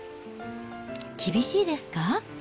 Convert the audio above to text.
厳しいですか？